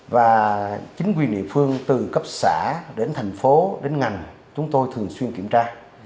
và chính quyền địa phương từ cấp xã đến thành phố đến ngành chúng tôi thường xuyên kiểm tra